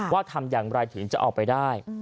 ทำอย่างไรถึงจะเอาไปได้